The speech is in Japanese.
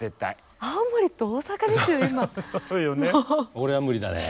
俺は無理だね。